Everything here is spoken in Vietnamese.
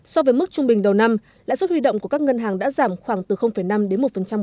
so với mức trung bình đầu năm lãi suất huy động của các ngân hàng đã giảm khoảng từ năm đến một một năm